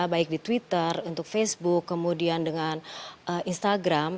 baik di twitter untuk facebook kemudian dengan instagram